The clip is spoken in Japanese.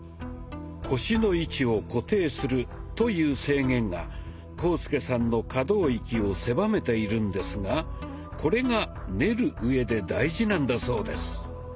腰の位置を固定するという制限が浩介さんの可動域を狭めているんですがこれが「練る」うえで大事なんだそうです。